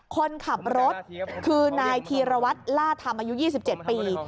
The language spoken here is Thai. คนขับรถคือนายธีรวัตรล่าธรรมอายุ๒๗ปี